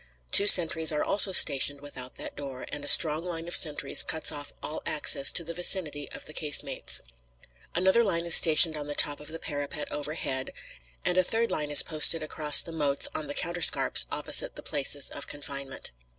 Two sentries are also stationed without that door, and a strong line of sentries cuts off all access to the vicinity of the casemates. Another line is stationed on the top of the parapet overhead, and a third line is posted across the moats on the counterscarps opposite the places of confinement.